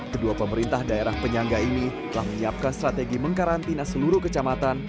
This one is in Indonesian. kedua pemerintah daerah penyangga ini telah menyiapkan strategi mengkarantina seluruh kecamatan